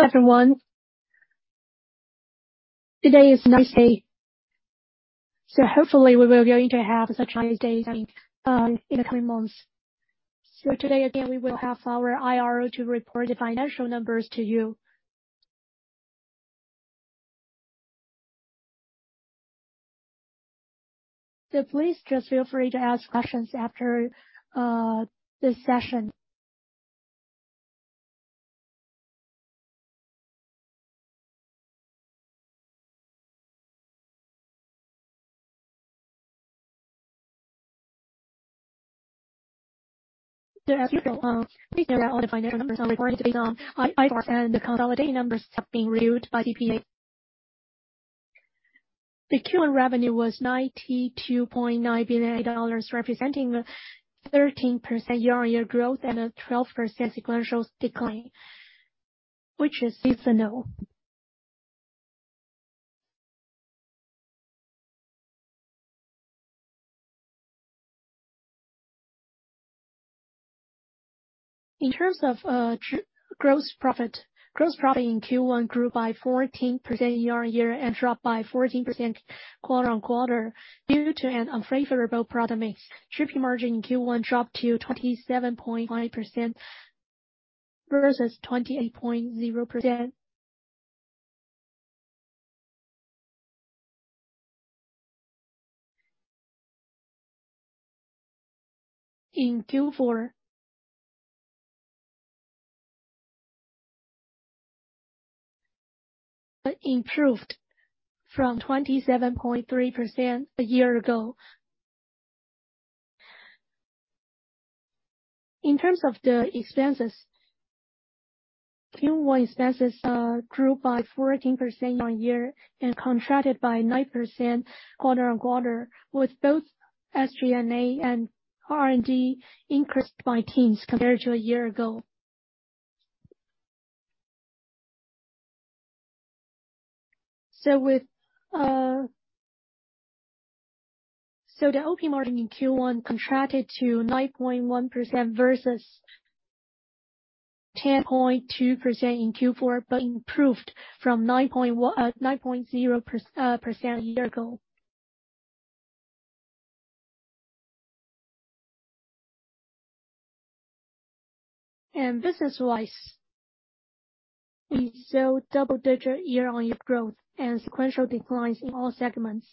Hello, everyone. Today is a nice day. Hopefully we will going to have such nice days in the coming months. Today again, we will have our IR to report the financial numbers to you. Please just feel free to ask questions after this session. As usual, please note that all the financial numbers I'm reporting today are on IFRS, and the consolidated numbers have been reviewed by CPA. The Q1 revenue was 92.9 billion dollars, representing a 13% year-on-year growth and a 12% sequential decline, which is seasonal. In terms of gross profit, gross profit in Q1 grew by 14% year-on-year and dropped by 14% quarter-on-quarter, due to an unfavorable product mix. GP margin in Q1 dropped to 27.5% versus 28.0%. In Q4, improved from 27.3% a year ago. In terms of the expenses, Q1 expenses grew by 14% year-on-year and contracted by 9% quarter-on-quarter, with both SG&A and R&D increased by teens compared to a year ago. The OP margin in Q1 contracted to 9.1% versus 10.2% in Q4, but improved from 9.1%, 9.0% year ago. Business wise, we saw double-digit year-on-year growth and sequential declines in all segments.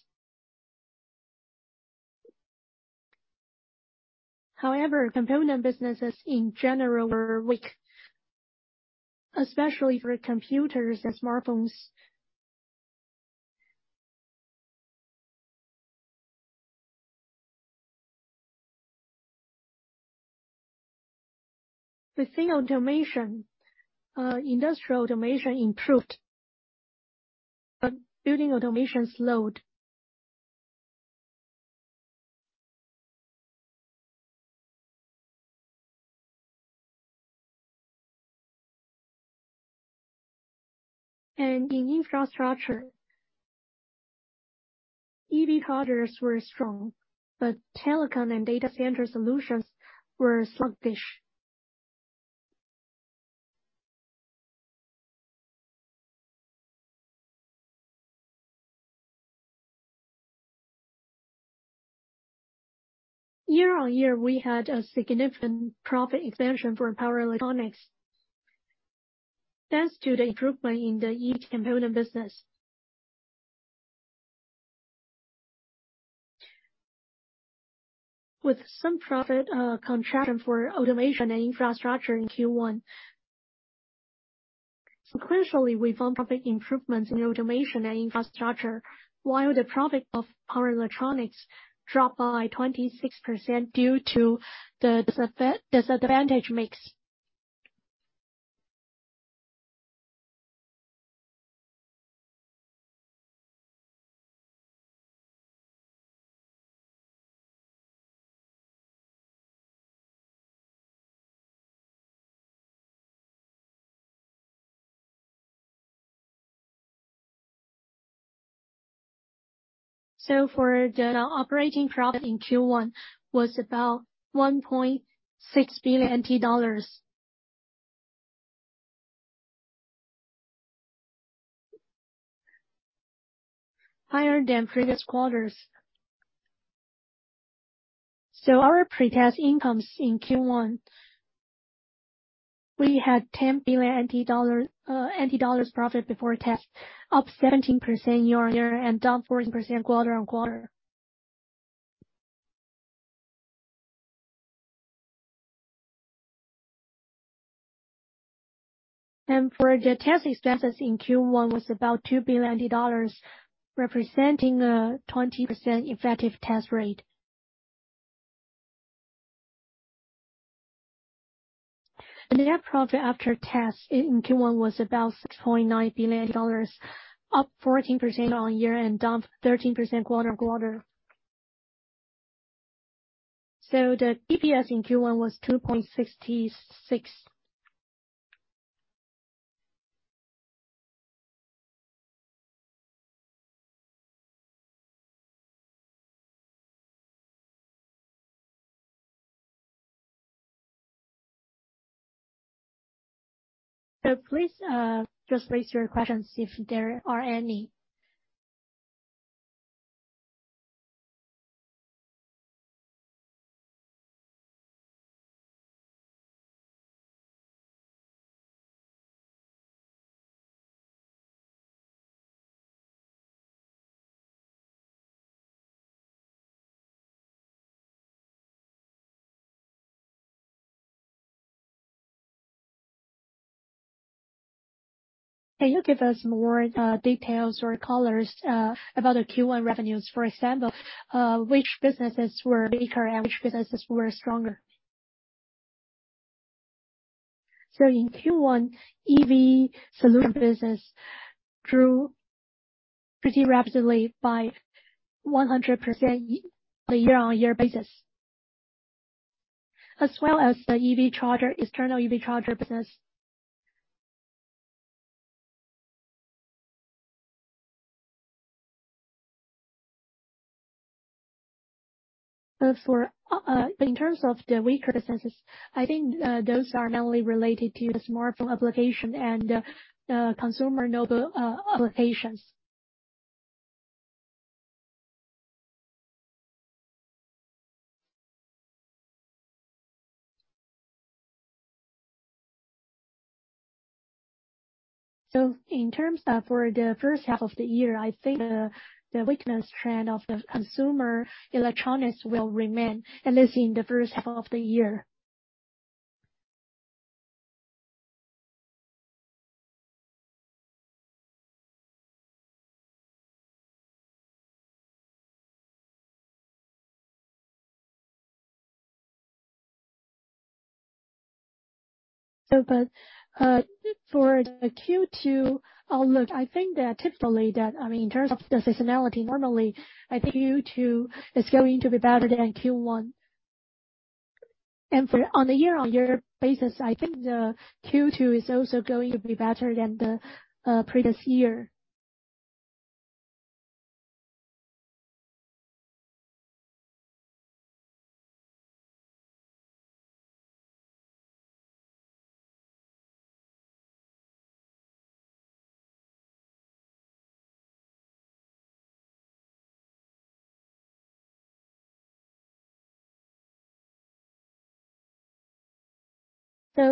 However, component businesses in general were weak, especially for computers and smartphones. Within Automation, Industrial Automation improved, but Building Automation slowed. In Infrastructure, EV chargers were strong, but telecom and data center solutions were sluggish. Year-on-year, we had a significant profit expansion for Power Electronics. Thanks to the improvement in the e-component business. With some profit contraction for Automation and Infrastructure in Q1. Sequentially, we found profit improvements in Automation and Infrastructure. While the profit of Power Electronics dropped by 26% due to the disadvantage mix. For the operating profit in Q1 was about TWD 1.6 billion. Higher than previous quarters. Our pre-tax incomes in Q1, we had 10 billion NT dollars profit before tax, up 17% year-on-year and down 14% quarter-on-quarter. For the tax expenses in Q1 was about 2 billion dollars, representing 20% effective tax rate. The net profit after tax in Q1 was about 6.9 billion dollars, up 14% on year and down 13% quarter-on-quarter. The EPS in Q1 was 2.66%. Please just raise your questions if there are any. Can you give us more details or colors about the Q1 revenues? For example, which businesses were weaker and which businesses were stronger? In Q1, EV solution business grew pretty rapidly by 100% year-on-year basis, as well as the EV charger, external EV charger business. In terms of the weaker businesses, I think, those are mainly related to the smartphone application and the consumer mobile applications. In terms of for the first half of the year, I think the weakness trend of the consumer electronics will remain, at least in the first half of the year. For the Q2 outlook, I think that typically, I mean, in terms of the seasonality, normally I think Q2 is going to be better than Q1. For on the year-on-year basis, I think the Q2 is also going to be better than the previous year.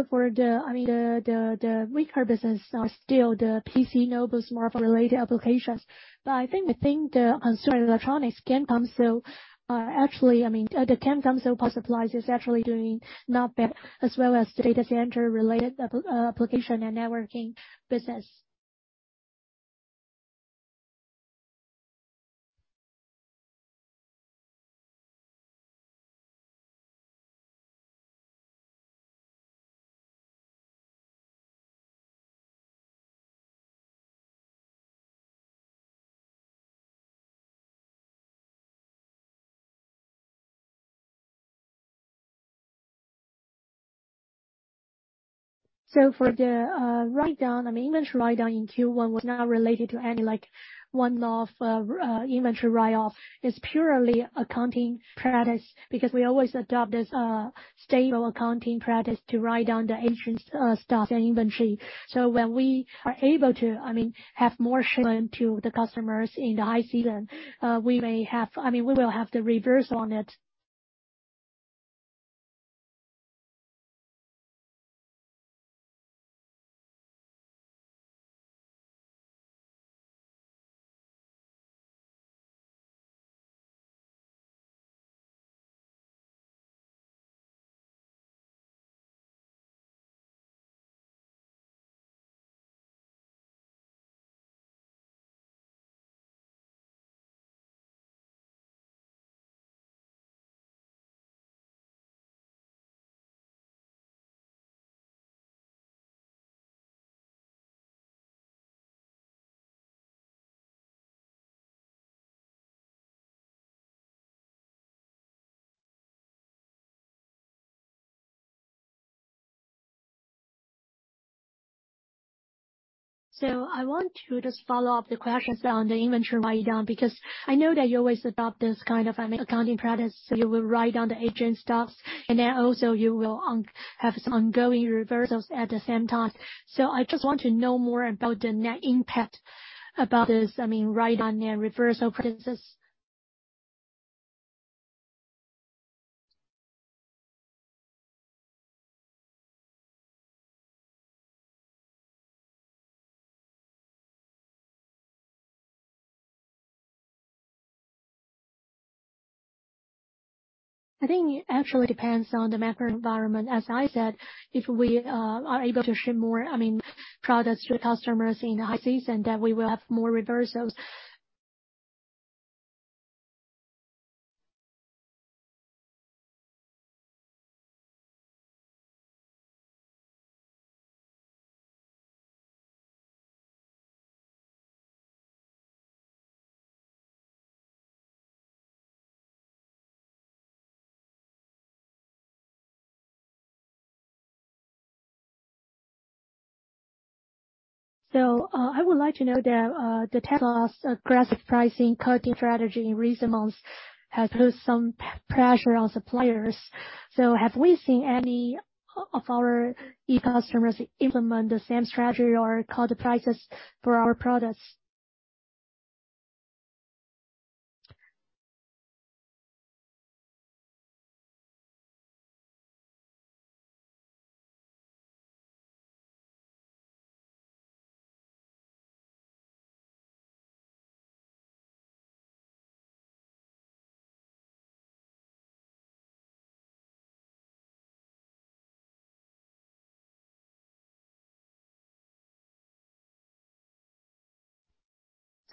For the, I mean, the weaker business are still the PC, nobles, smartphone related applications. I think, I think the consumer electronics Can Come, actually, I mean, the Can Come. Power supplies is actually doing not bad, as well as data center related application and networking business. For the write-down, I mean, inventory write-down in Q1 was not related to any like one-off inventory write-off. It's purely accounting practice because we always adopt this stable accounting practice to write down the ancient stocks and inventory. When we are able to, I mean, have more shipment to the customers in the high season, we may have. I mean, we will have the reverse on it. I want to just follow up the questions on the inventory write-down, because I know that you always adopt this kind of, I mean, accounting practice. You will write down the aging stocks, and then also you will have some ongoing reversals at the same time. I just want to know more about the net impact about this, I mean, write-down and reversal practices. I think it actually depends on the macro environment. As I said, if we are able to ship more, I mean, products to the customers in the high season, then we will have more reversals. I would like to know the Tesla's aggressive pricing cutting strategy in recent months has put some pressure on suppliers. Have we seen any of our e-customers implement the same strategy or cut the prices for our products?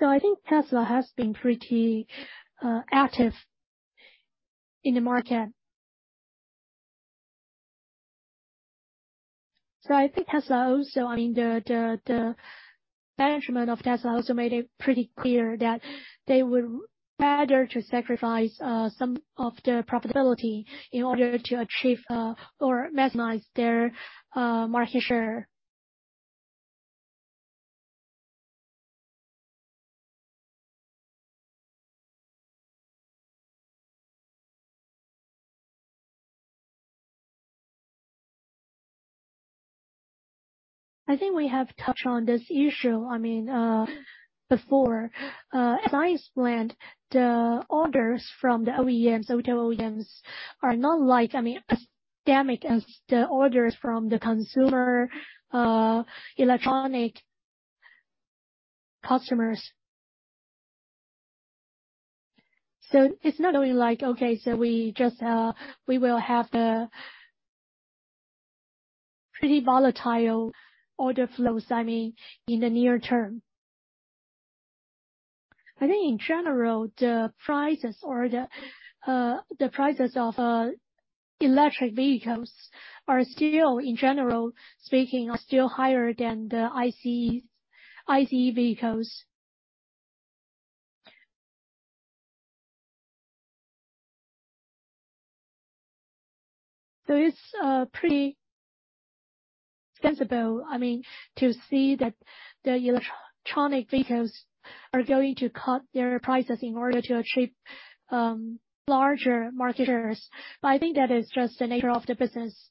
I think Tesla has been pretty active in the market. I think Tesla also. I mean, the management of Tesla also made it pretty clear that they would rather to sacrifice some of their profitability in order to achieve or maximize their market share. I think we have touched on this issue, I mean, before. As I explained, the orders from the OEMs, auto OEMs, are not like, I mean, as dynamic as the orders from the consumer electronic customers. It's not only like. Okay, so we just, we will have the pretty volatile order flows, I mean, in the near term. I think in general, the prices or the prices of electric vehicles are still, in general, speaking, are still higher than the ICE vehicles. It's pretty sensible, I mean, to see that the electronic vehicles are going to cut their prices in order to achieve larger market shares. I think that is just the nature of the business.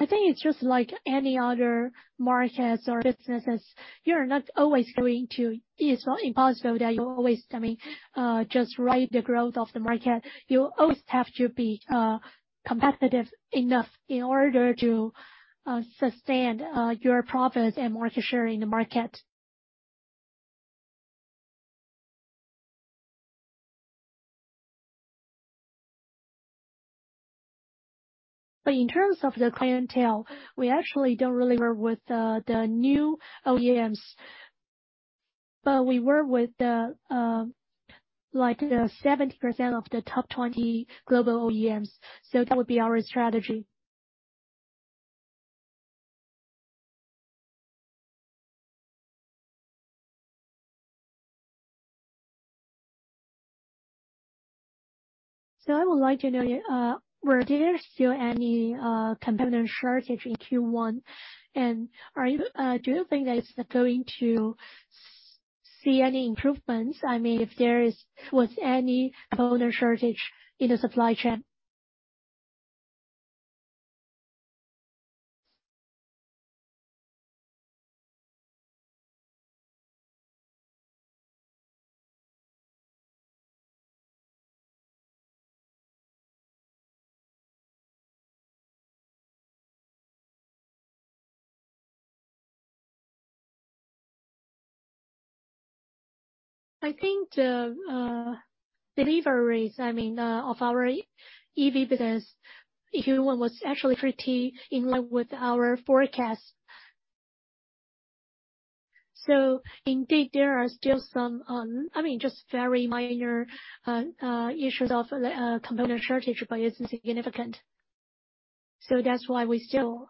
I think it's just like any other markets or businesses. It's not impossible that you always, I mean, just ride the growth of the market. You always have to be competitive enough in order to sustain your profits and market share in the market. In terms of the clientele, we actually don't really work with the new OEMs, but we work with the like the 70% of the top 20 global OEMs. That would be our strategy. I would like to know, were there still any component shortage in Q1? Do you think that it's going to see any improvements? I mean, if there was any component shortage in the supply chain. I think the deliveries, I mean, of our EV business in Q1 was actually pretty in line with our forecast. Indeed, there are still some I mean, just very minor issues of component shortage, but it's insignificant. That's why we still.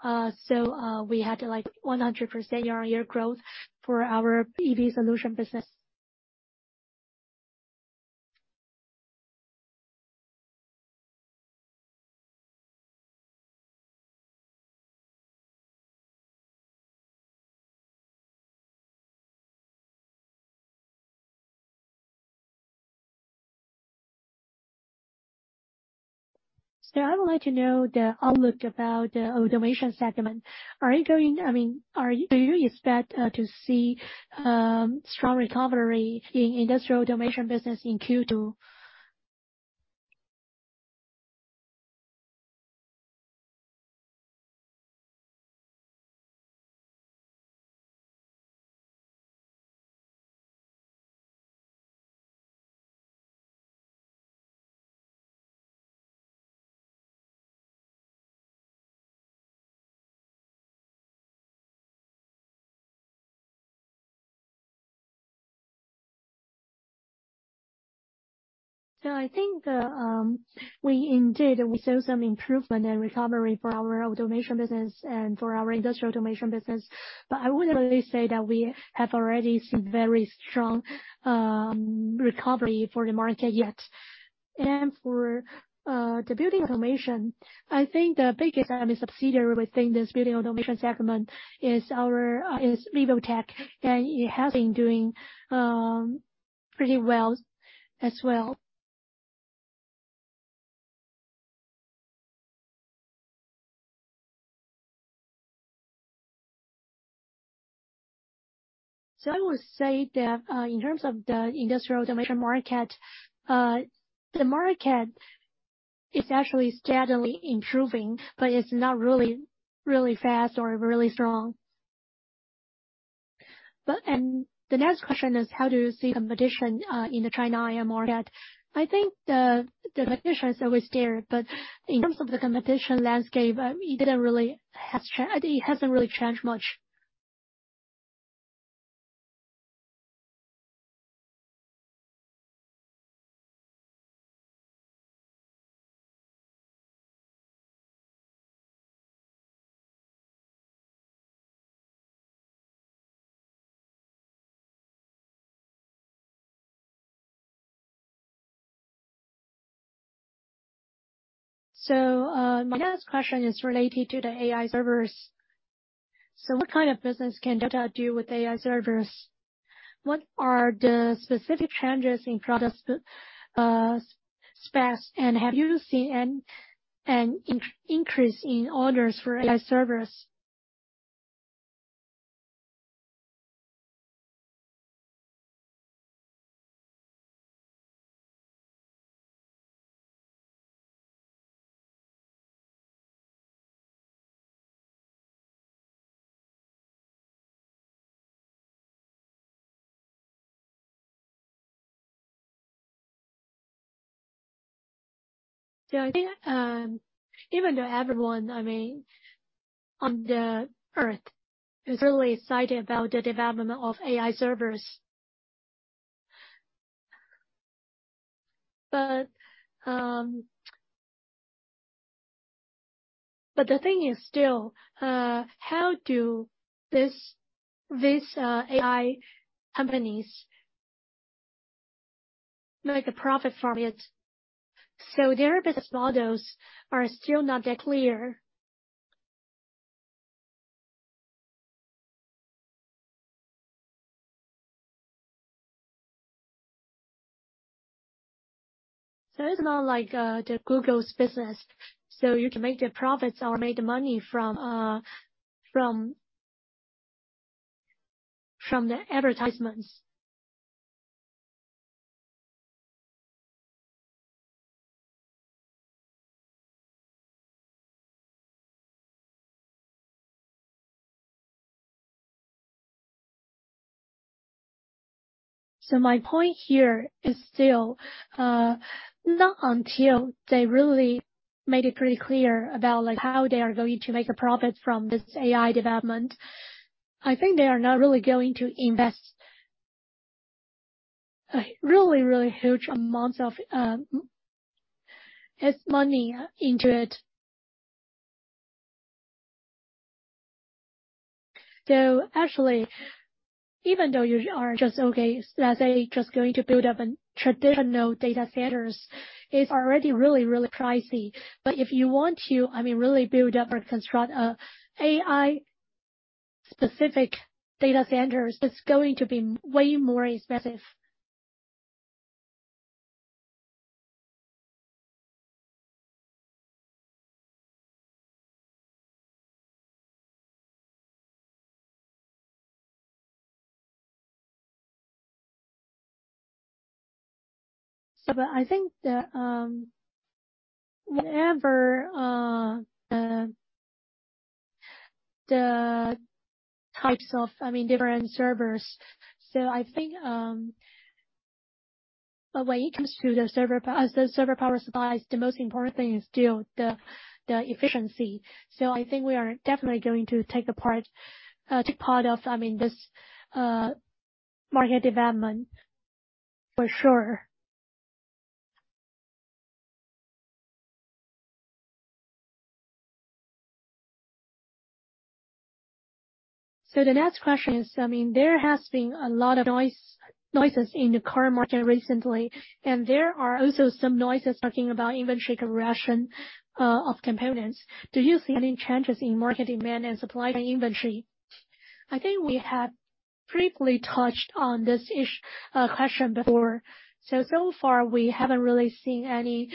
We had, like, 100% year-on-year growth for our EV solution business. I would like to know the outlook about the Automation segment. I mean, do you expect to see strong recovery in Industrial Automation business in Q2? I think we indeed, we saw some improvement and recovery for our Automation business and for our Industrial Automation business, but I wouldn't really say that we have already seen very strong recovery for the market yet. For the Building Automation, I think the biggest subsidiary within this Building Automation segment is our LOYTEC, and it has been doing pretty well as well. I would say that in terms of the Industrial Automation market, the market is actually steadily improving, but it's not really, really fast or really strong. The next question is, how do you see competition in the China AI market? I think the competition is always there, but in terms of the competition landscape, it hasn't really changed much. My next question is related to the AI servers. What kind of business can Delta do with AI servers? What are the specific changes in product specs? Have you seen an increase in orders for AI servers? I think, I mean, even though everyone on the Earth is really excited about the development of AI servers. The thing is still, how do these AI companies make a profit from it? Their business models are still not that clear. It's not like the Google's business, so you can make the profits or make the money from the advertisements. My point here is still not until they really made it pretty clear about, like, how they are going to make a profit from this AI development, I think they are not really going to invest a really, really huge amounts of this money into it. Actually, even though you are just okay, let's say, just going to build up an traditional data centers, is already really, really pricey. But if you want to, I mean, really build up or construct a AI specific data centers, it's going to be way more expensive. I think that whenever the types of, I mean, different servers. I think, but when it comes to the server power supplies, the most important thing is still the efficiency. I think we are definitely going to take part of, I mean, this market development for sure. The next question is, I mean, there has been a lot of noises in the car market recently, and there are also some noises talking about inventory correction of components. Do you see any changes in market demand and supply and inventory? I think we have briefly touched on this question before. So far we haven't really seen any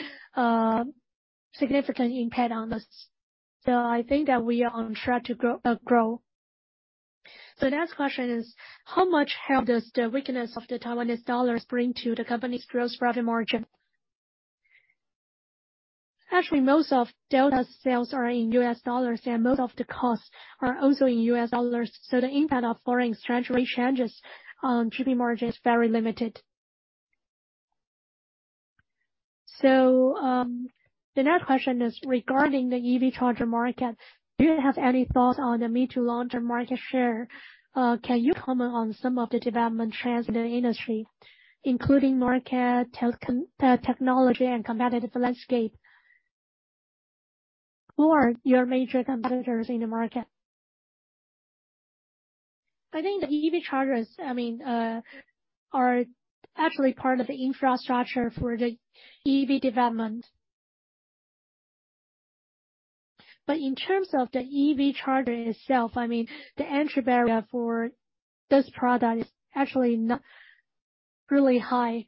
significant impact on this. I think that we are on track to grow. The next question is, how much harm does the weakness of the Taiwanese dollars bring to the company's gross profit margin? Actually, most of Delta's sales are in U.S. dollars, and most of the costs are also in U.S. dollars. The impact of foreign exchange rate changes on GP margin is very limited. The next question is regarding the EV charger market. Do you have any thoughts on the mid to long-term market share? Can you comment on some of the development trends in the industry, including market tech, technology and competitive landscape? Who are your major competitors in the market? I think the EV chargers are actually part of the infrastructure for the EV development. In terms of the EV charger itself, the entry barrier for this product is actually not really high.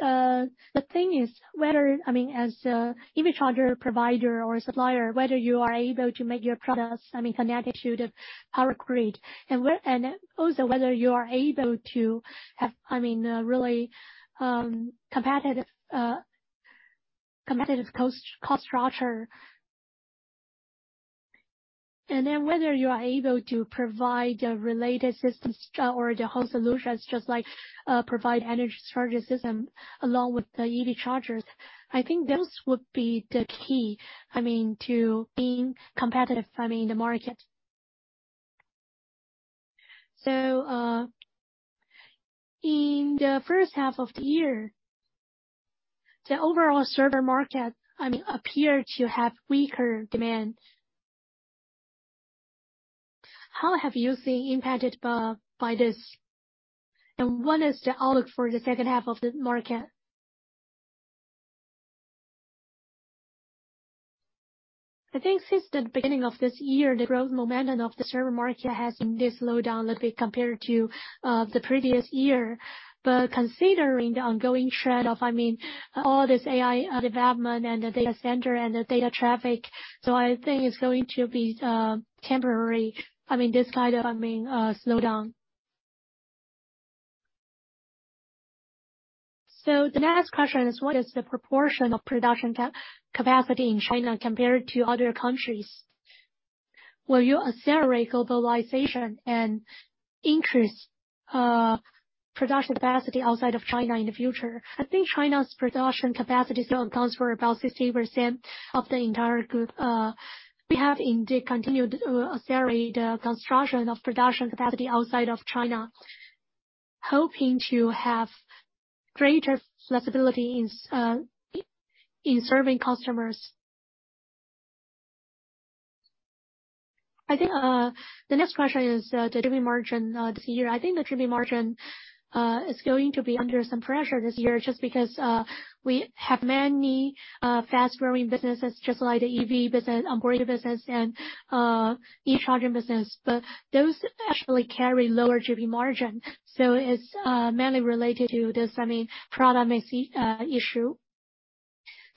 The thing is whether, I mean, as a EV charger provider or supplier, whether you are able to make your products, I mean, connected to the power grid, and also whether you are able to have, I mean, a really competitive cost structure. Whether you are able to provide the related systems or the whole solutions, just like provide energy storage system along with the EV chargers. I think those would be the key, I mean, to being competitive, I mean, in the market. In the first half of the year, the overall server market, I mean, appeared to have weaker demand. How have you seen impacted by this, and what is the outlook for the second half of the market? I think since the beginning of this year, the growth momentum of the server market has been this slowdown a little bit compared to the previous year. Considering the ongoing trend of, I mean, all this AI development and the data center and the data traffic, so I think it's going to be temporary. I mean, this kind of, I mean, slowdown. The next question is: What is the proportion of production capacity in China compared to other countries? Will you accelerate globalization and increase production capacity outside of China in the future? I think China's production capacity still accounts for about 60% of the entire group. We have indeed continued to accelerate the construction of production capacity outside of China, hoping to have greater flexibility in serving customers. I think the next question is the GP margin this year. I think the GP margin is going to be under some pressure this year just because we have many fast-growing businesses, just like the EV business, Automation business, and e-charging business. Those actually carry lower GP margin, so it's mainly related to this, I mean, product mix issue.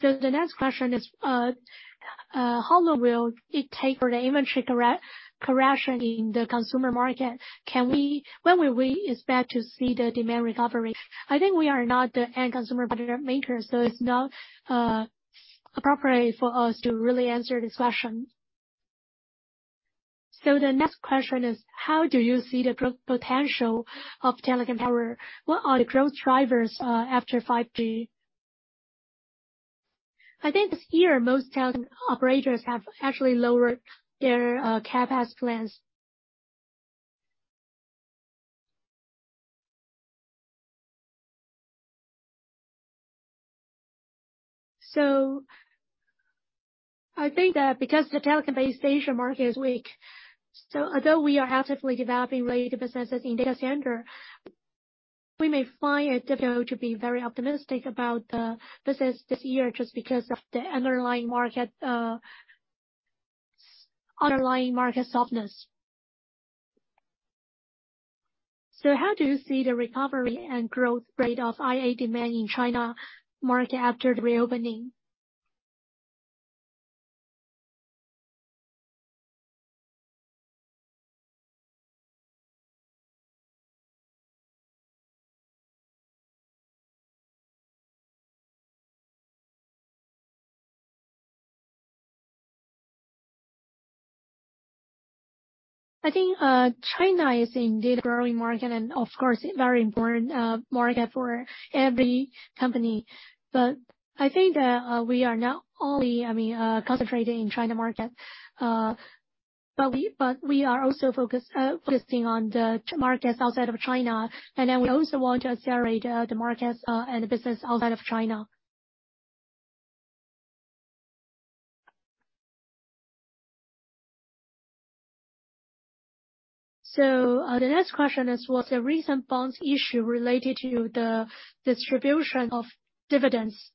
The next question is: How long will it take for the inventory correction in the consumer market? When will we expect to see the demand recovery? I think we are not the end consumer product maker, so it's not appropriate for us to really answer this question. The next question is: How do you see the growth potential of telecom power? What are the growth drivers after 5G? I think this year most telecom operators have actually lowered their CapEx plans. I think that because the telecom base station market is weak, so although we are actively developing related businesses in data center, we may find it difficult to be very optimistic about the business this year just because of the underlying market underlying market softness. How do you see the recovery and growth rate of IA demand in China market after the reopening? I think China is indeed a growing market and of course a very important market for every company. I think that we are not only, I mean, concentrating in China market. But we are also focusing on the markets outside of China, we also want to accelerate the markets and the business outside of China. The next question is: Was the recent bonds issue related to the distribution of dividends?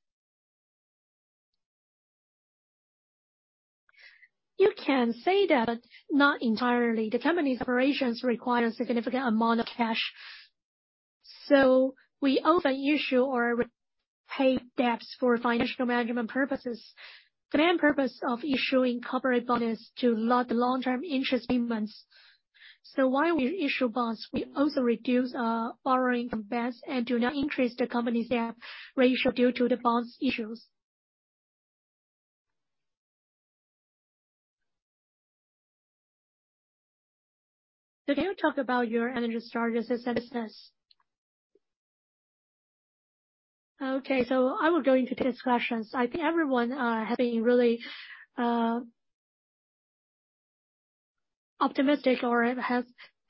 You can say that, but not entirely. The company's operations require a significant amount of cash, so we often issue or pay debts for financial management purposes. The main purpose of issuing corporate bond is to lock the long-term interest payments. While we issue bonds, we also reduce borrowing from banks and do not increase the company's debt ratio due to the bonds issues. Can you talk about your energy storage as a business? Okay. I will go into these questions. I think everyone have been really optimistic or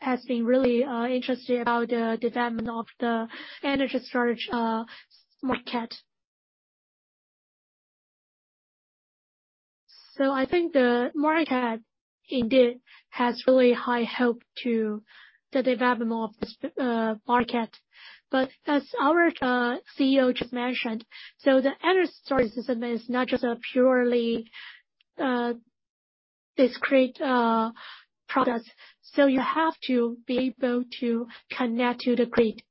has been really interested about the development of the energy storage market. I think the market indeed has really high hope to the development of this market. As our CEO just mentioned, the energy storage system is not just a purely discrete product, you have to be able to connect to the grid.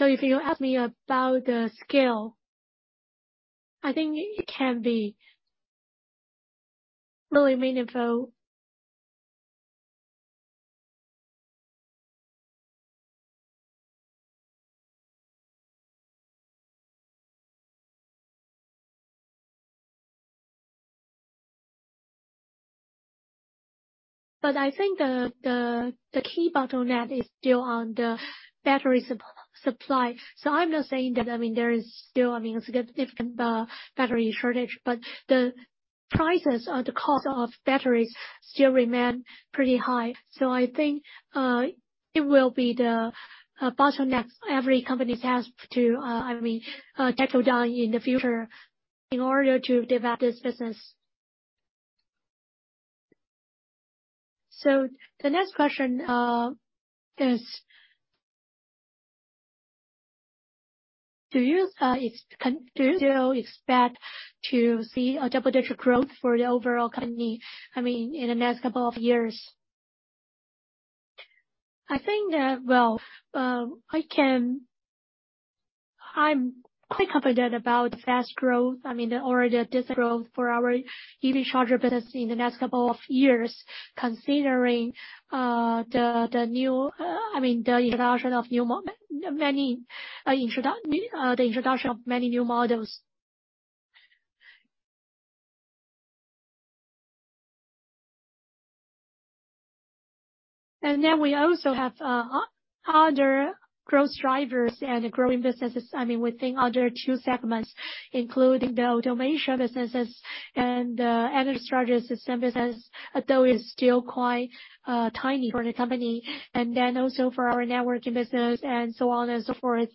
If you ask me about the scale, I think it can be really meaningful. I think the, the key bottleneck is still on the battery supply. I'm not saying that, I mean, there is still, I mean, a significant battery shortage, but the prices or the cost of batteries still remain pretty high. I think it will be the bottleneck every company has to, I mean, tackle down in the future in order to develop this business. The next question is: Do you expect to see a double-digit growth for the overall company, I mean, in the next couple of years? I think that, well, I'm quite confident about fast growth. I mean, or the double-digit growth for our EV charger business in the next couple of years, considering the new, I mean, the introduction of many new models. We also have other growth drivers and growing businesses, I mean, within other two segments, including the Automation businesses and energy storage system business, although it's still quite tiny for the company, also for our networking business and so on and so forth.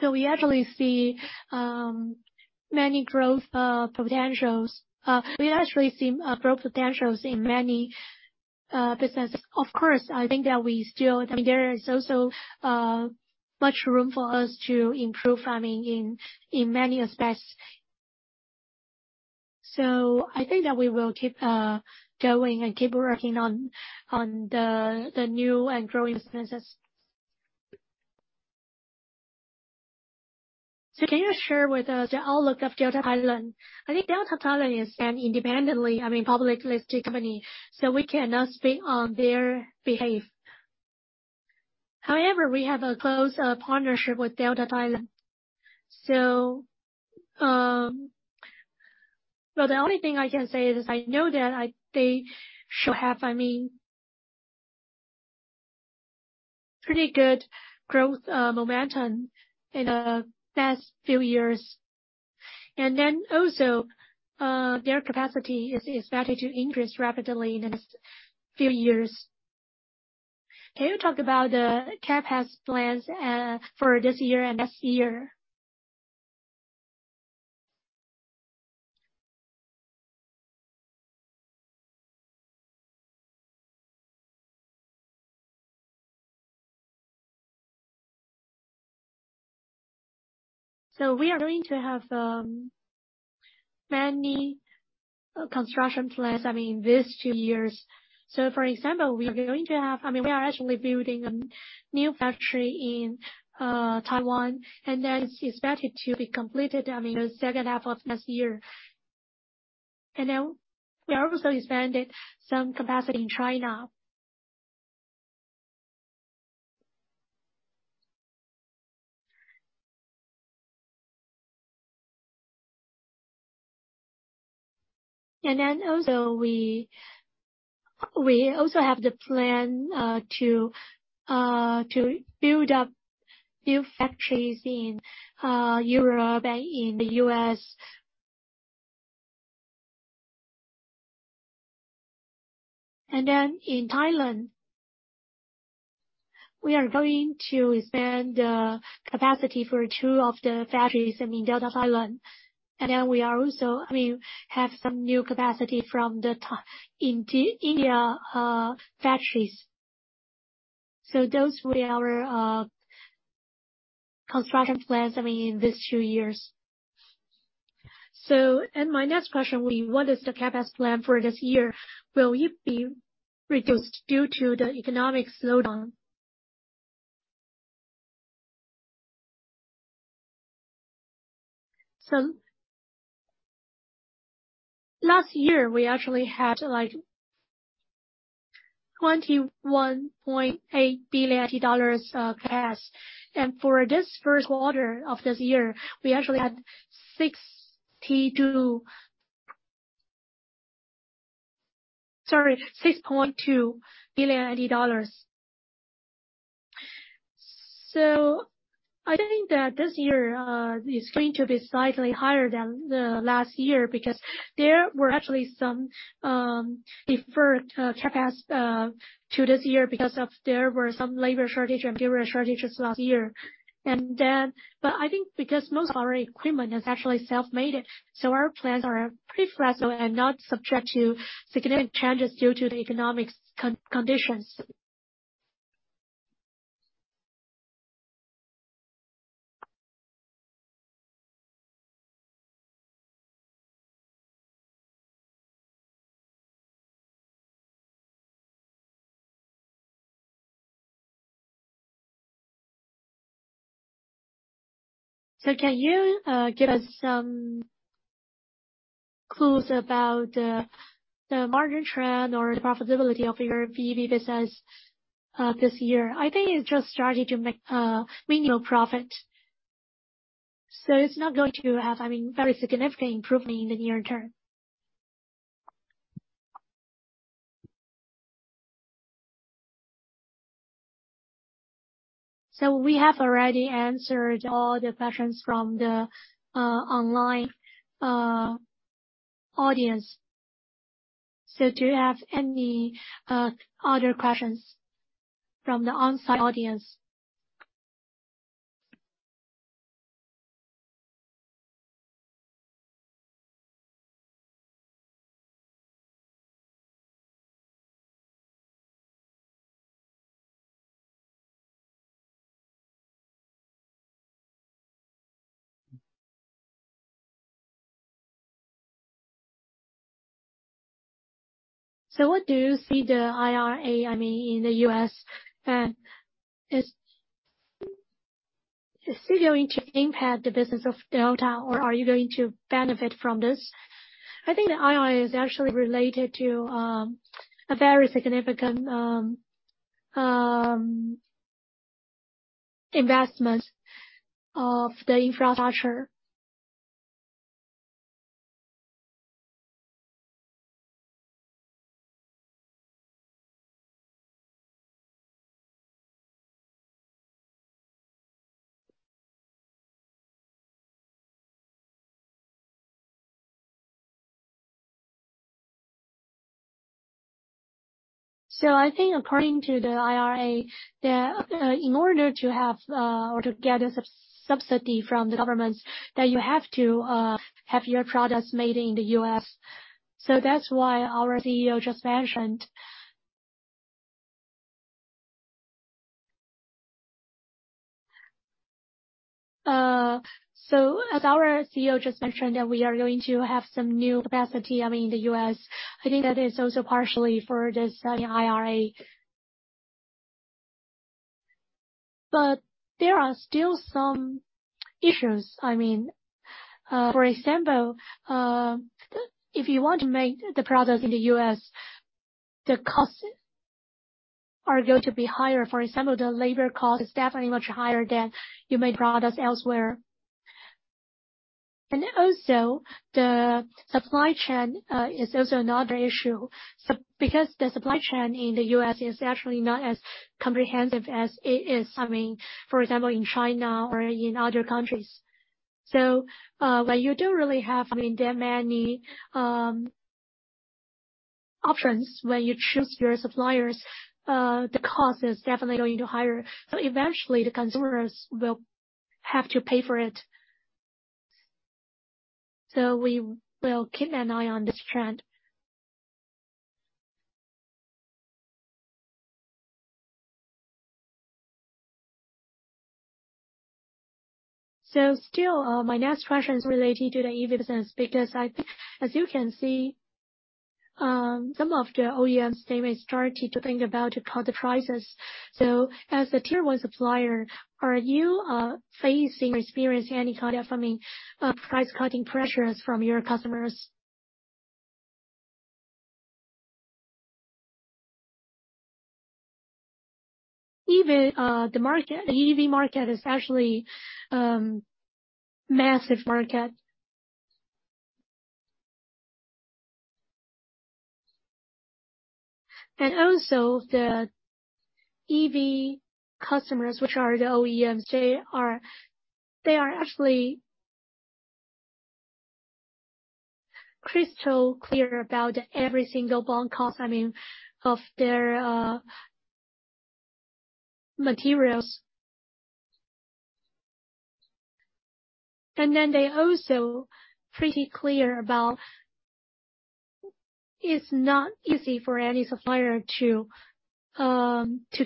We actually see many growth potentials. We actually see growth potentials in many businesses. Of course, I think that I mean, there is also much room for us to improve, I mean, in many aspects. I think that we will keep going and keep working on the new and growing businesses. Can you share with us your outlook of Delta Thailand? I think Delta Thailand is an independently, I mean, public listed company, so we cannot speak on their behalf. However, we have a close partnership with Delta Thailand. Well, the only thing I can say is I know that they should have, I mean, pretty good growth momentum in the past few years. Also, their capacity is expected to increase rapidly in the next few years. Can you talk about the CapEx plans for this year and next year? We are going to have many construction plans, I mean, these two years. For example, we are going to have. I mean, we are actually building a new factory in Taiwan, that's expected to be completed, I mean, in the second half of next year. We also expanded some capacity in China. Also we also have the plan to build up new factories in Europe and in the U.S. In Thailand, we are going to expand capacity for two of the factories in Delta Thailand. We are also, I mean, have some new capacity from the India factories. Those were our construction plans, I mean, in these two years. My next question will be: What is the CapEx plan for this year? Will it be reduced due to the economic slowdown? Last year, we actually had like TWD 21.8 billion CapEx. For this first quarter of this year, we actually had 6.2 billion dollars. I think that this year is going to be slightly higher than last year, because there were actually some deferred CapEx to this year because of there were some labor shortages and material shortages last year. I think because most of our equipment is actually self-made, our plans are pretty flexible and not subject to significant changes due to the economic conditions. Can you give us some clues about the margin trend or the profitability of your EV business this year? I think it just started to make minimal profit. It's not going to have, I mean, very significant improvement in the near term. We have already answered all the questions from the online audience. Do you have any other questions from the on-site audience? What do you see the IRA, I mean, in the U.S., is still going to impact the business of Delta, or are you going to benefit from this? I think the IRA is actually related to a very significant investment of the Infrastructure. I think according to the IRA, in order to have or to get a subsidy from the government, that you have to have your products made in the U.S. That's why as our CEO just mentioned that we are going to have some new capacity, I mean, in the U.S. I think that is also partially for this IRA. There are still some issues. I mean, for example, if you want to make the products in the U.S., the costs are going to be higher. For example, the labor cost is definitely much higher than you make products elsewhere. The supply chain is also another issue. Because the supply chain in the U.S. is actually not as comprehensive as it is, I mean, for example, in China or in other countries. When you don't really have, I mean, that many options when you choose your suppliers, the cost is definitely going to higher. Eventually the consumers will have to pay for it. We will keep an eye on this trend. Still, my next question is related to the EV business, because I think as you can see, some of the OEM statements started to think about to cut the prices. As a Tier 1 supplier, are you facing or experience any kind of, I mean, price cutting pressures from your customers? The EV market is actually massive market. Also the EV customers, which are the OEMs, they are actually crystal clear about every single bond cost, I mean, of their materials. They're also pretty clear about it's not easy for any supplier to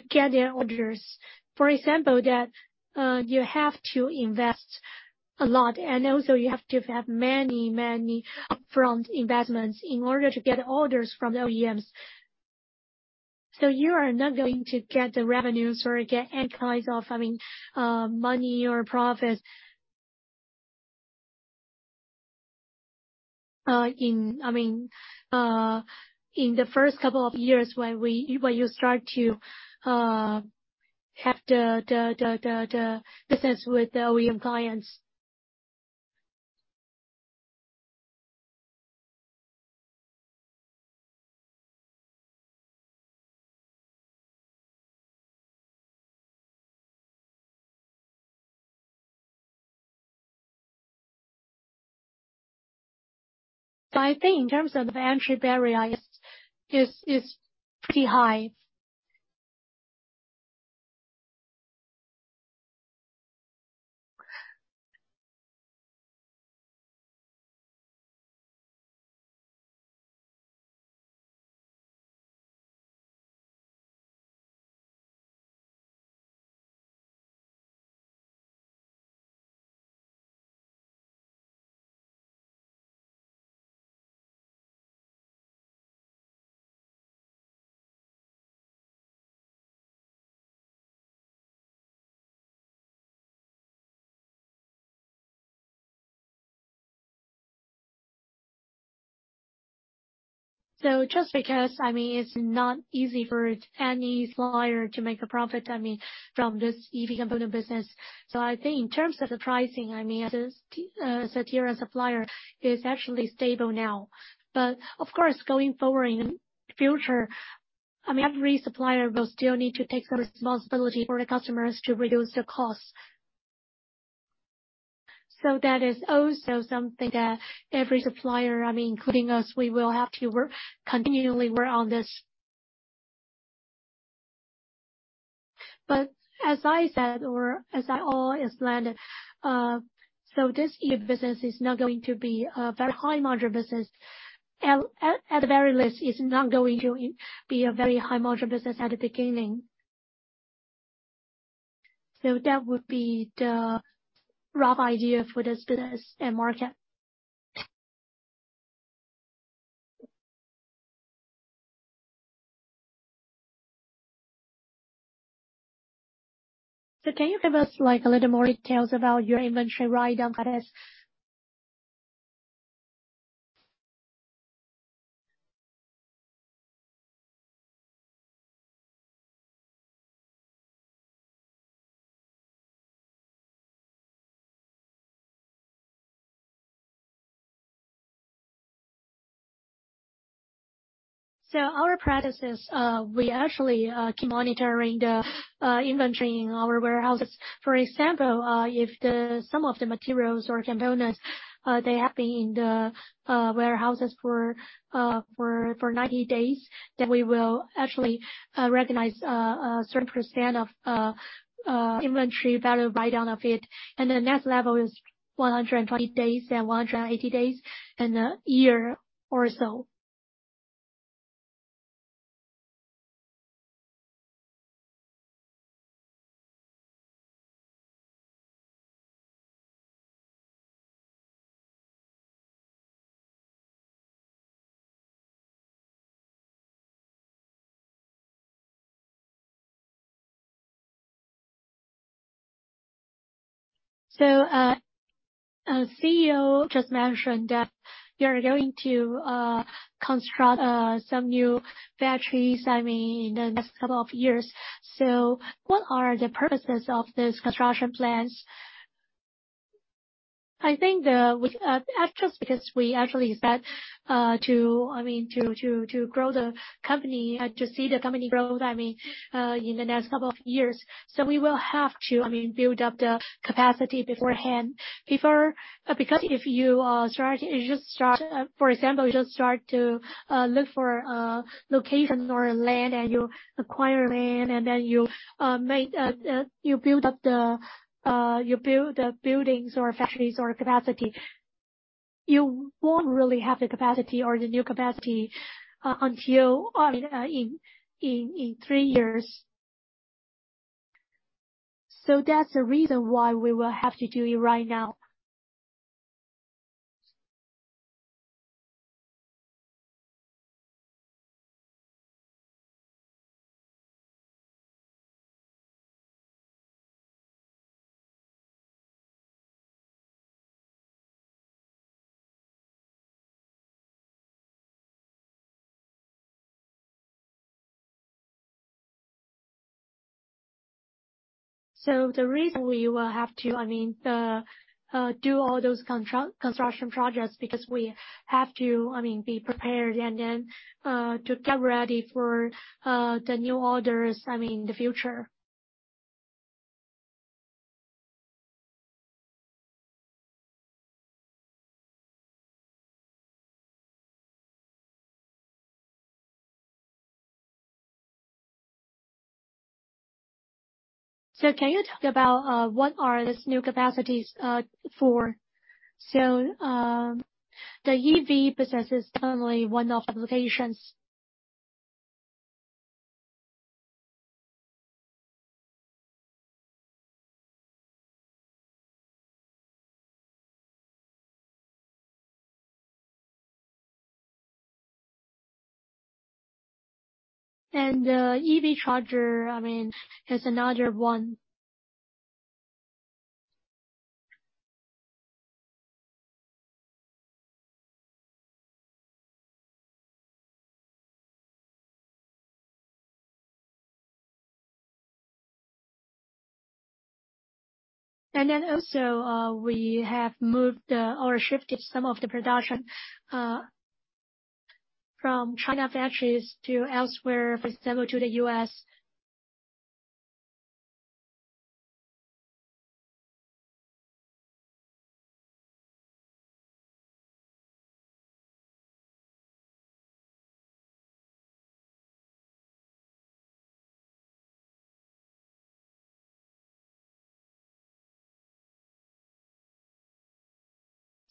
get their orders. For example, that you have to invest a lot, and also you have many upfront investments in order to get orders from the OEMs. You are not going to get the revenues or get any kinds of, I mean, money or profit. I mean, in the first couple of years when you start to have the business with the OEM clients. I think in terms of entry barrier, it's pretty high. Just because, I mean, it's not easy for any supplier to make a profit, I mean, from this e-component business. I think in terms of the pricing, I mean, as a, as a Tier 1 supplier, it's actually stable now. Of course, going forward in the future, I mean, every supplier will still need to take some responsibility for the customers to reduce the costs. That is also something that every supplier, I mean, including us, we will have to work continually work on this. But as I said or as I always learned, this EV business is not going to be a very high-margin business. At the very least, it's not going to be a very high-margin business at the beginning. That would be the rough idea for this business and market. Can you give us, like, a little more details about your inventory write-down policies? Our practice is, we actually keep monitoring the inventory in our warehouses. For example, if some of the materials or components, they have been in the warehouses for 90 days, then we will actually recognize a certain percent of inventory value write-down of it. The next level is 120 days, then 180 days, and a year or so. CEO just mentioned that you're going to construct some new factories, I mean, in the next couple of years. What are the purposes of these construction plans? Just because we actually said, I mean, to grow the company and to see the company grow, I mean, in the next couple of years. We will have to, I mean, build up the capacity beforehand. Because if you start, for example, you just start to look for a location or a land, and you acquire land, and then you build up the, you build the buildings or factories or capacity. You won't really have the capacity or the new capacity until, I mean, in three years. That's the reason why we will have to do it right now. The reason we will have to, I mean, do all those construction projects, because we have to, I mean, be prepared and then to get ready for the new orders, I mean, in the future. Can you talk about what are these new capacities for? The EV business is currently one of applications. EV charger, I mean, is another one. Also, we have moved or shifted some of the production from China factories to elsewhere, for example, to the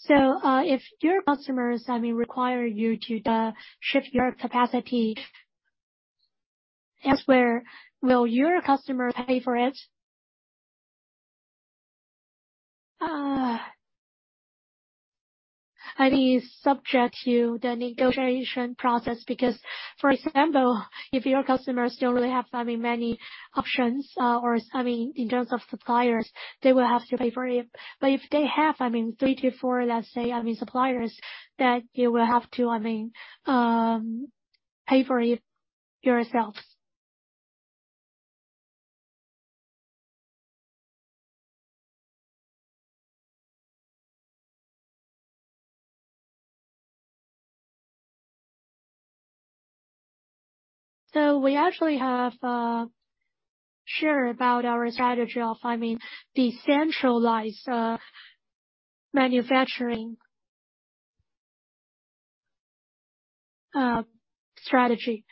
U.S. If your customers, I mean, require you to shift your capacity elsewhere, will your customers pay for it? I think it's subject to the negotiation process, because, for example, if your customers don't really have, I mean, many options, or, I mean, in terms of suppliers, they will have to pay for it. If they have, I mean, three-four, let's say, I mean, suppliers, then you will have to, I mean, pay for it yourselves. We actually have sure about our strategy of, I mean, decentralized manufacturing strategy.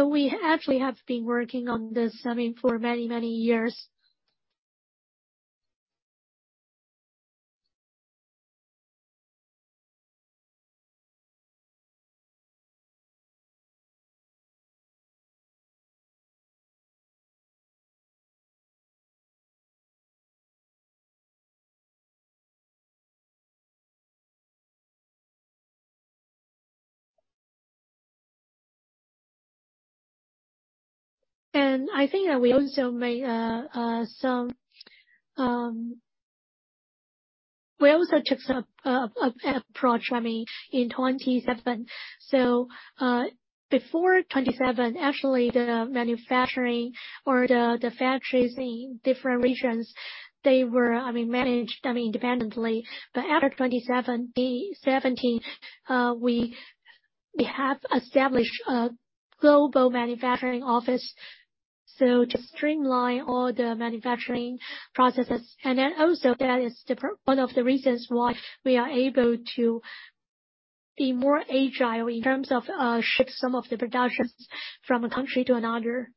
We actually have been working on this, I mean, for many years. I think that we also made some. We also took some approach, I mean, in 2027. Before 2027, actually the manufacturing or the factories in different regions, they were, I mean, managed, I mean, independently. After 2027, in 2017, we have established a global manufacturing office, so to streamline all the manufacturing processes. Also that is one of the reasons why we are able to be more agile in terms of ship some of the productions from a country to another.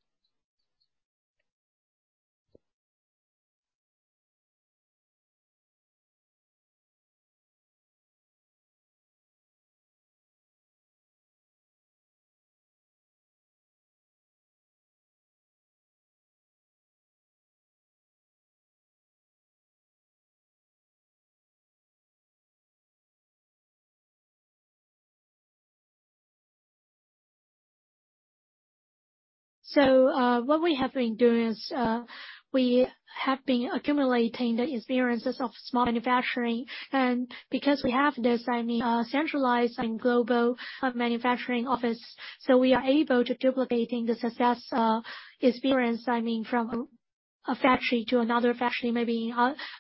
What we have been doing is, we have been accumulating the experiences of small manufacturing. Because we have this, I mean, centralized and global manufacturing office, so we are able to duplicating the success experience, I mean, from a factory to another factory, maybe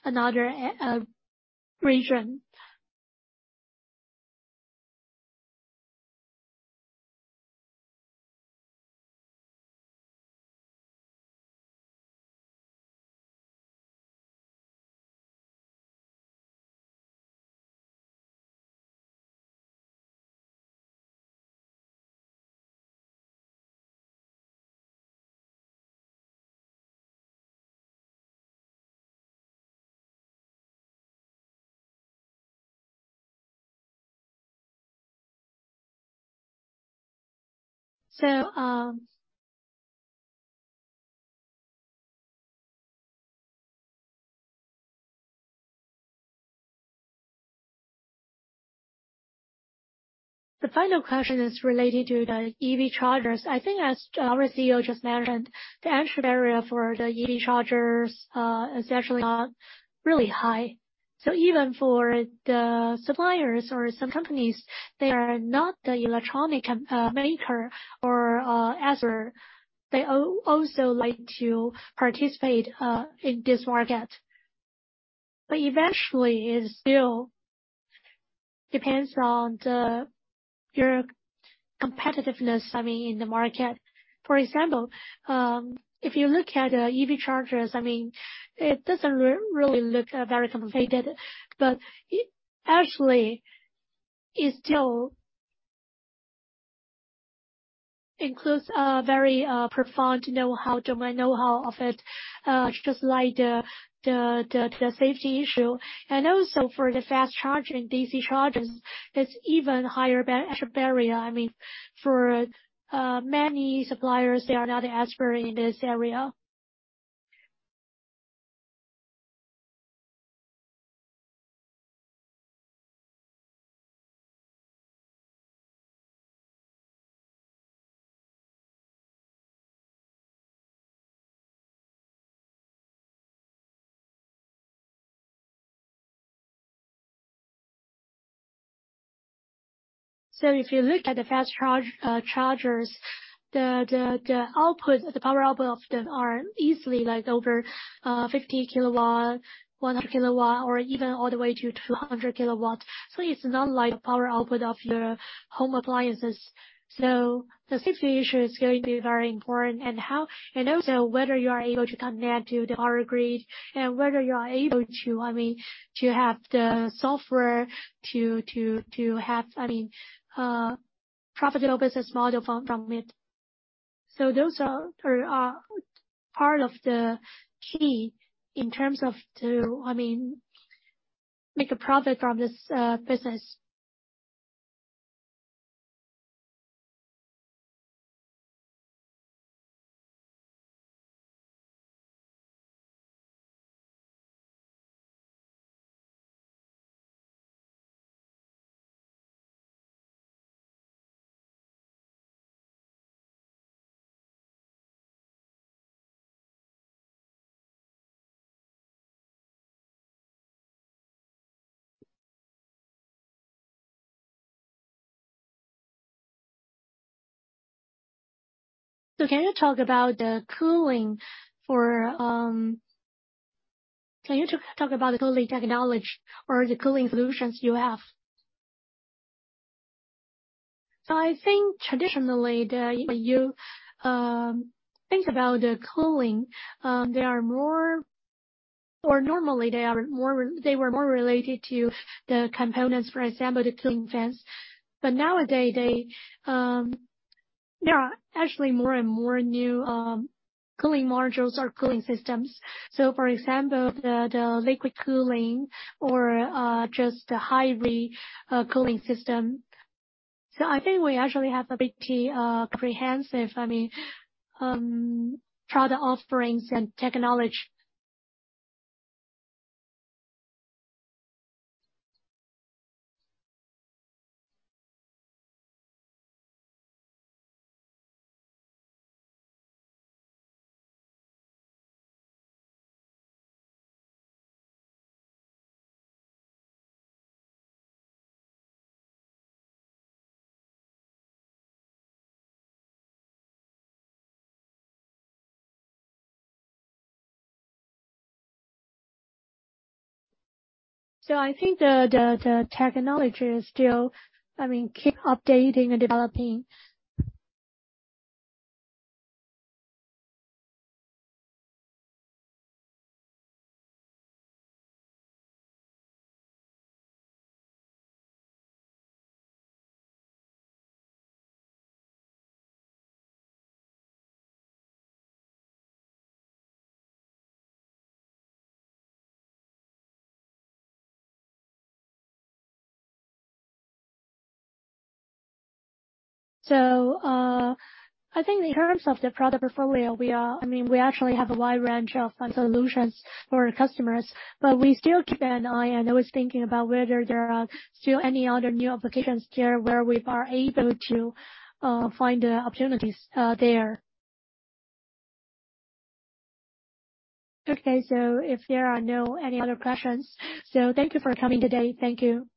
another region. The final question is related to the EV chargers. I think as our CEO just mentioned, the entry barrier for the EV chargers is actually really high. Even for the suppliers or some companies, they are not the electronic maker or as they also like to participate in this market. Eventually it still depends on your competitiveness, I mean, in the market. For example, if you look at EV chargers, I mean, it doesn't really look very complicated, but it actually is still includes a very profound know-how, domain know-how of it. Just like the safety issue and also for the fast charging DC chargers, it's even higher entry barrier. I mean, for many suppliers, they are not expert in this area. If you look at the fast charge chargers, the output, the power output of them are easily like over 50 kW, 100 kW or even all the way to 200 kW. It's not like the power output of your home appliances. The safety issue is going to be very important and how. Also whether you are able to connect to the power grid and whether you are able to, I mean, to have the software to have, I mean, profitable business model from it. Those are part of the key in terms of to, I mean, make a profit from this business. Can you talk about the cooling for. Can you talk about the cooling technology or the cooling solutions you have? I think traditionally the. You think about the cooling, they are more or normally they were more related to the components, for example, the cooling fans. Nowadays they, there are actually more and more new cooling modules or cooling systems. For example, the liquid cooling or just the hybrid cooling system. I think we actually have a pretty comprehensive, I mean, product offerings and technology. I think the technology is still, I mean, keep updating and developing. I think in terms of the product portfolio, we are, I mean, we actually have a wide range of solutions for our customers, but we still keep an eye and always thinking about whether there are still any other new applications there where we are able to find the opportunities there. Okay. If there are no any other questions. Thank you for coming today. Thank you.